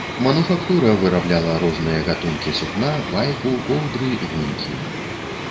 Мануфактура вырабляла розныя гатункі сукна, байку, коўдры, гунькі.